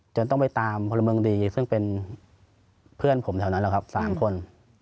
จนต้องไปตามพลเมืองดีซึ่งเป็นเพื่อนผมแถวนั้นแหละครับ๓คน